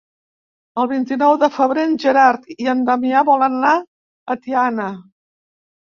El vint-i-nou de febrer en Gerard i en Damià volen anar a Tiana.